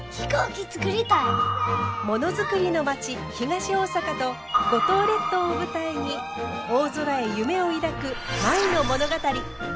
ものづくりの町東大阪と五島列島を舞台に大空へ夢を抱く舞の物語。